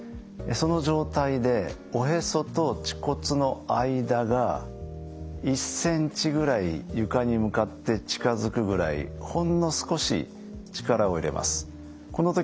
その状態でおへそと恥骨の間が１センチぐらい床に向かって近づくぐらいほんの少し力を入れます。